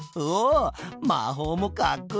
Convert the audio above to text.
ま法もかっこいい！